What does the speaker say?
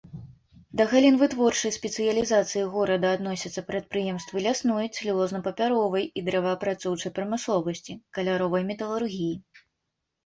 Да галін вытворчай спецыялізацыі горада адносяцца прадпрыемствы лясной, цэлюлозна-папяровай і дрэваапрацоўчай прамысловасці, каляровай металургіі.